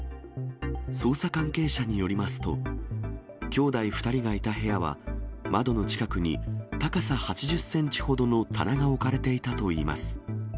捜査関係者によりますと、兄弟２人がいた部屋は、窓の近くに高さ８０センチほどの棚が置かれていたといいます。